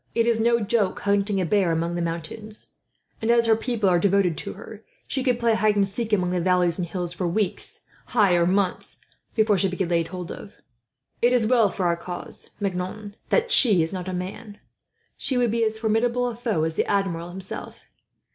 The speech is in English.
It is no joke hunting a bear among the mountains; and as her people are devoted to her, she could play hide and seek among the valleys and hills for weeks ay, or months before she could be laid hold of. "It is well for our cause, Maignan, that she is not a man. She would be as formidable a foe as the Admiral himself.